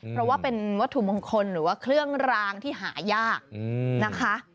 เพราะว่าเป็นวัตถุมงคลหรือว่าเครื่องรางที่หายากนะคะ